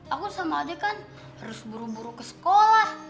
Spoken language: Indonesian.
aku sama adik kan harus buru buru ke sekolah